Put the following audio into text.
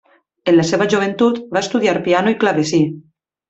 En la seva joventut va estudiar piano i clavecí.